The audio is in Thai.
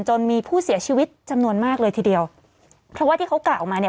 จนมีผู้เสียชีวิตจำนวนมากเลยทีเดียวเพราะว่าที่เขากล่าวมาเนี่ย